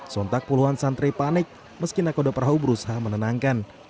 sontak puluhan santri panik meski nakoda perahu berusaha menenangkan